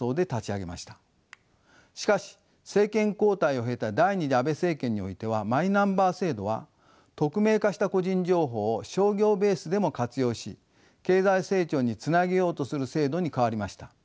しかし政権交代を経た第２次安倍政権においてはマイナンバー制度は匿名化した個人情報を商業ベースでも活用し経済成長につなげようとする制度に変わりました。